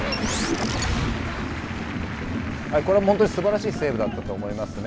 これは本当にすばらしいセーブだったと思いますね。